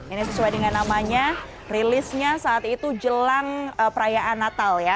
ini sesuai dengan namanya rilisnya saat itu jelang perayaan natal ya